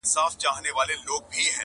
ګڼي خوږو خوږو يارانو بۀ مې خپه وهله,